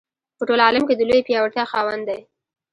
په ټول عالم کې د لویې پیاوړتیا خاوند دی.